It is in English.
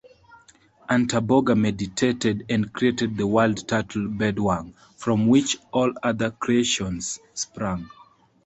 Antaboga meditated and created the world turtle Bedwang from which all other creations sprang.